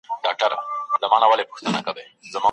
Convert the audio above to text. هغه په خپله یوازیتوب کې له ځان سره په ټیټ غږ بڼېده.